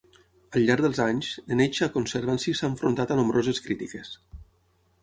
Al llarg dels anys, The Nature Conservancy s'ha enfrontat a nombroses crítiques.